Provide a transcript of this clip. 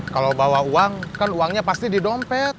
kalau bawa uang kan uangnya pasti didompet